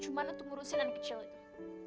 cuman untuk ngurusin anak kecil itu